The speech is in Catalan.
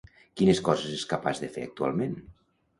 Quines coses és capaç de fer actualment?